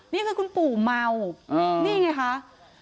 นี่คือคุณปู่เมานี่ไงคะ